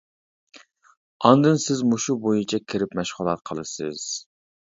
ئاندىن سىز مۇشۇ بويىچە كىرىپ مەشغۇلات قىلىسىز.